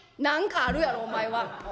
「何かあるやろお前は。